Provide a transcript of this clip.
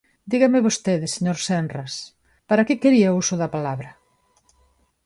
Dígame vostede, señor Senras, ¿para que quería o uso da palabra?